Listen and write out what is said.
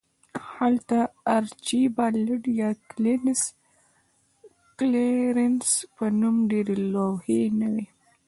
هلته د آرچیبالډ یا کلیرنس په نوم ډیرې لوحې نه وې